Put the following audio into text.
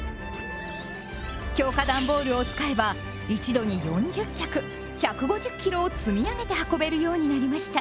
強化ダンボールを使えば一度に４０脚１５０ｋｇを積み上げて運べるようになりました。